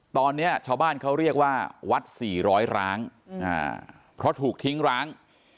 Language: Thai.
ตอนเนี้ยชาวบ้านเขาเรียกว่าวัดสี่ร้อยร้างอืมอ่าเพราะถูกทิ้งร้าง